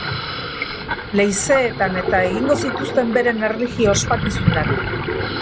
Leizeetan-eta egingo zituzten beren erlijio ospakizunak.